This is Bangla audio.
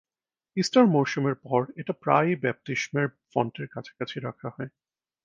ইস্টার মরসুমের পর, এটা প্রায়ই বাপ্তিস্মের ফন্টের কাছাকাছি রাখা হয়।